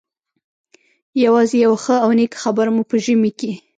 یوازې یوه ښه او نېکه خبره مو په ژمي کې.